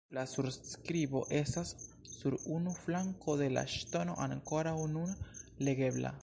La surskribo estas sur unu flanko de la ŝtono ankoraŭ nun legebla.